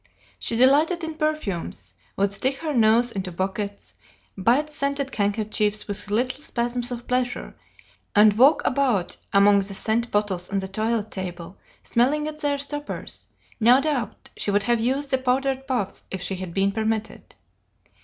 She delighted in perfumes, would stick her nose into bouquets, bite scented handkerchiefs with little spasms of pleasure, and walk about among the scent bottles on the toilet table, smelling at their stoppers; no doubt, she would have used the powder puff if she had been permitted.